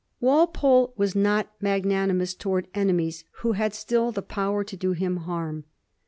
Walpole was not magnanimous towards enemies who had still the power to do him harm.